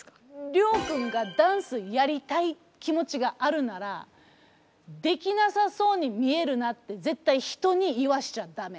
りょう君がダンスやりたい気持ちがあるならできなさそうに見えるなって絶対人に言わせちゃダメ。